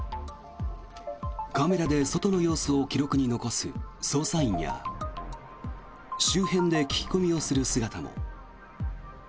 カメラで外の様子を記録に残す捜査員や周辺で聞き込みをする姿も。